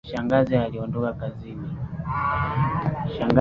Shangazi aliondoka kazini